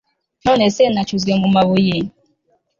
none se nacuzwe mu mabuye